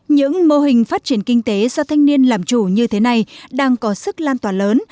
những mô hình phát triển kinh tế do thanh niên làm chủ như thế này đang có sức lan tỏa lớn